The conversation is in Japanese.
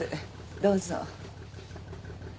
どうぞ。